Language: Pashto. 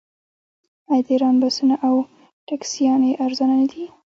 آیا د ایران بسونه او ټکسیانې ارزانه نه دي؟